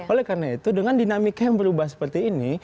oleh karena itu dengan dinamika yang berubah seperti ini